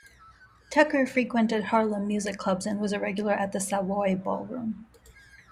Tucker frequented Harlem music clubs and was a regular at the Savoy Ballroom.